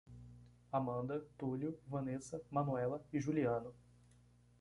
Amanda, Tulio, Vanessa, Manoela e Juliano